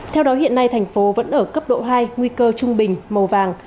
theo đó hiện nay thành phố vẫn ở cấp độ hai nguy cơ trung bình màu vàng